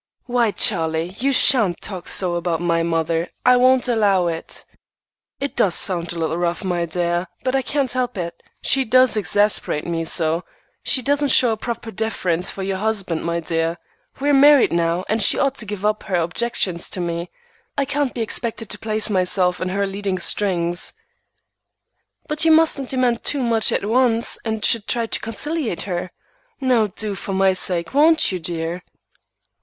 "Why, Charlie, you sha'n't talk so about my mother! I won't allow it." "It does sound a little rough, my dear; but I can't help it. She does exasperate me so. She doesn't show a proper deference for your husband, my dear. We are married now, and she ought to give up her objections to me. I can't be expected to place myself in her leading strings." "But you mustn't demand too much at once, and should try to conciliate her. Now do, for my sake; won't you, dear?"